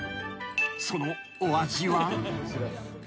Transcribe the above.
［そのお味は］